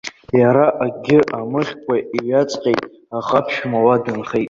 Иара акгьы амыхькәа иҩаҵҟьеит, аха аԥшәма уа дынхеит.